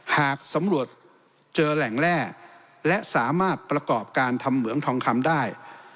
หากสำรวจเจอแหล่งแร่และสามารถประกอบการทำเหมืองทองคำได้